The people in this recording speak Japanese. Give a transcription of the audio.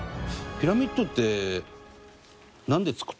ピラミッドって。